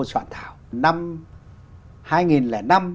soạn thảo năm